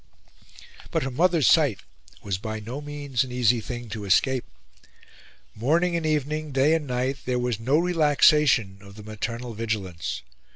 But her mother's sight was by no means an easy thing to escape. Morning and evening, day and night, there was no relaxation of the maternal vigilance.